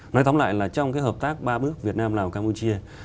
nói tóm lại là trong cái hợp tác ba bước việt nam lào campuchia